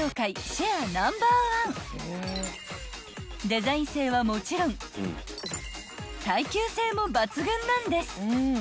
［デザイン性はもちろん耐久性も抜群なんです］